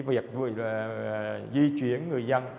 cái việc di chuyển người dân